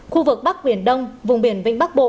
khu vực bắc viển đông vùng biển vịnh bắc bộ